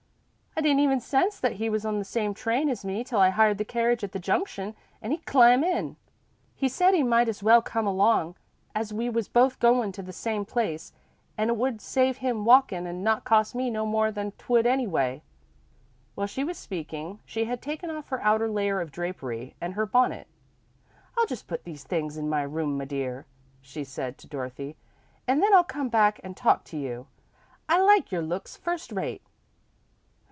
I didn't even sense that he was on the same train as me till I hired the carriage at the junction an' he clim' in. He said he might as well come along as we was both goin' to the same place, an' it would save him walkin', an' not cost me no more than 't would anyway." While she was speaking, she had taken off her outer layer of drapery and her bonnet. "I'll just put these things in my room, my dear," she said to Dorothy, "an' then I'll come back an' talk to you. I like your looks first rate."